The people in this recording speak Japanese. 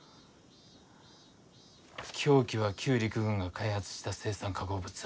凶器は旧陸軍が開発した青酸化合物。